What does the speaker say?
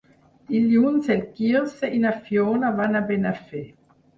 Dilluns en Quirze i na Fiona van a Benafer.